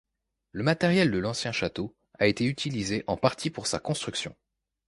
Le matériel de l’ancien château a été utilisé en partie pour sa construction.